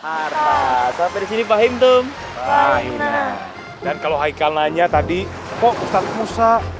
harta sampai di sini pahit dong dan kalau hai kalanya tadi kok ustadz musa